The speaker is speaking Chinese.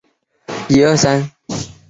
阿兰人口变化图示